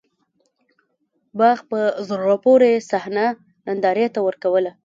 باغ په زړه پورې صحنه نندارې ته ورکوّله.